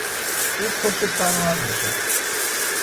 او پشت سر من نشست.